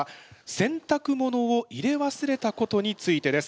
洗濯物を入れわすれたことについてです。